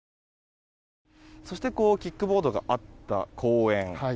キックボードがあった公園。